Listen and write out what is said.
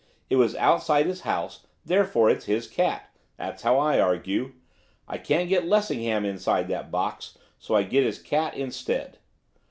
It was outside his house, therefore it's his cat, that's how I argue. I can't get Lessingham inside that box, so I get his cat instead.